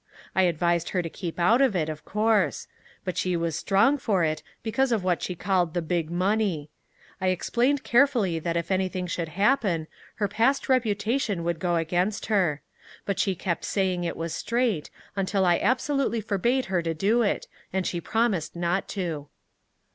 I advised her to keep out of it, of course; but she was strong for it, because of what she called the big money. I explained carefully that if anything should happen, her past reputation would go against her. But she kept saying it was straight, until I absolutely forbade her to do it, and she promised not to."